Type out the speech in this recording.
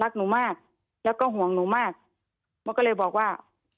หนูมากแล้วก็ห่วงหนูมากมันก็เลยบอกว่า